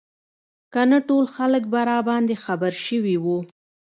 که نه ټول خلک به راباندې خبر شوي وو.